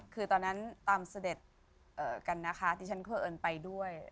คือตอนนั้นตามเสด็จกันนะคะที่ฉันเคยเอิญไปด้วย